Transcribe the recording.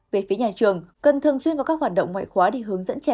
về phía nhà trường cần thường xuyên vào các hoạt động ngoại khóa để hướng dẫn trẻ